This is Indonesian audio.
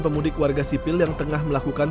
pemudik warga sipil yang tengah melakukan